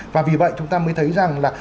và vì vậy chúng ta mới thấy rằng là